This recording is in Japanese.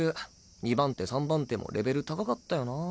二番手三番手もレベル高かったよな。